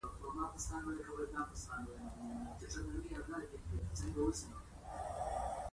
چا برازیلي پالیسي جوړوونکو ته مشوره نه وه ورکړې.